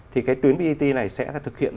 thì cái tuyến bat này sẽ thực hiện